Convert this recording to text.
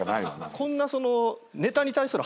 こんなその。